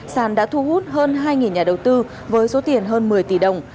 sàn đã thu hút hơn hai nhà đầu tư với số tiền hơn một mươi tỷ đồng